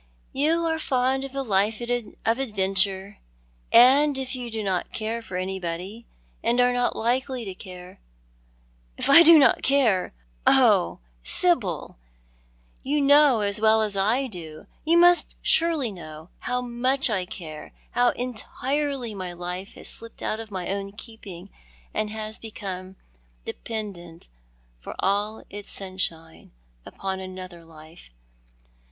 " You are fond of a life of adventure ; and if you do not care for anybody, and are not likely to care "" If I do not care ! Oh, Sibyl, you know as well as i do — you must surely know — how much I care ; how entirely my life has slipped out of my own keeping and has become dependent for all its sunshine upon another life.